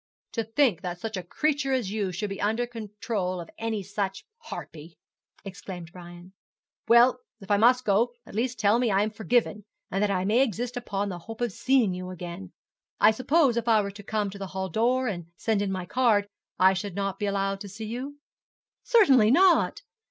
'To think that such a creature as you should be under the control of any such harpy,' exclaimed Brian. 'Well, if I must go, at least tell me I am forgiven, and that I may exist upon the hope of seeing you again. I suppose if I were to come to the hall door, and send in my card, I should not be allowed to see you?' 'Certainly not.